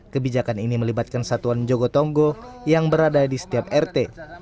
kebijakan ini melibatkan satuan jogotongo yang berada di setiap rt